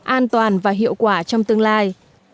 an toàn và hiệu quả trong tương lai